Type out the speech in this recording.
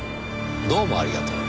どうもありがとう。